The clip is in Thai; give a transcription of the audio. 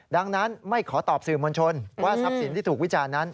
ดังนั้นไม่ขอตอบสื่อมวลชนว่าทรัพย์สินที่ถูกวิจารณ์นั้น